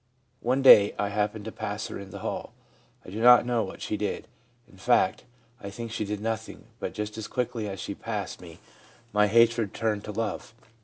One day I happened to pass her in the hall. I do not know what she did. In fact, I think she did nothing, but just as quickly as she passed me my hatred turned to love.